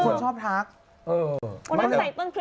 น่ารักอ่ะ